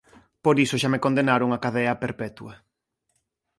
Por iso xa me condenaron a cadea perpetua.